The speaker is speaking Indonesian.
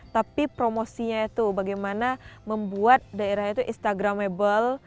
tapi promosinya itu bagaimana membuat daerah itu instagramable